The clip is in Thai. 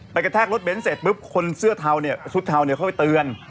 ไปกระแทกรถเบ้นเสร็จครับคนชุดทาวเขาต้องไปเตือน